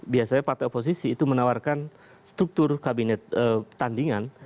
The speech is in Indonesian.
biasanya partai oposisi itu menawarkan struktur kabinet tandingan